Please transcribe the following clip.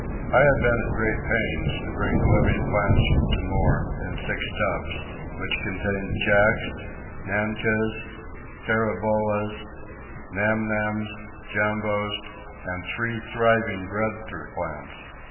I had been at great pains to bring living plants from Timor, in six tubs, which contained jacks, nancas, karambolas, namnams, jambos, and three thriving breadfruit plants.